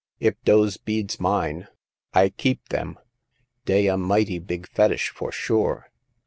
If dose beads mine, I keep dem ; dey a mighty big fetish, for sure